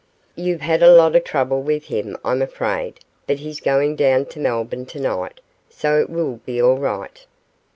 'You've had a lot of trouble with him, I'm afraid; but he's going down to Melbourne tonight, so it will be all right.